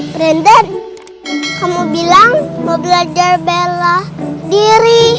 printer kamu bilang mau belajar bela diri